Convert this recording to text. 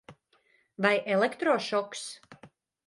Vai elektrošoks?